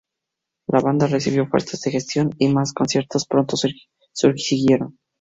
La banda recibió ofertas de gestión y más conciertos pronto siguieron.